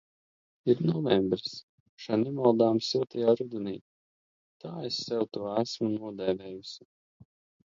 Ir novembris šai nevaldāmi siltajā rudenī – tā es sev to esmu nodēvējusi.